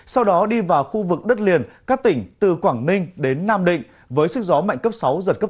sau đó đi vào khu vực đất liền các tỉnh từ quảng ninh đến nam định với sức gió mạnh cấp sáu giật cấp tám